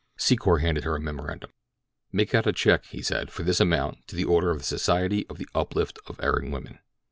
Secor handed her a memorandum. "Make out a check," he said, "for this amount to the order of the Society for the Uplift of Erring Women."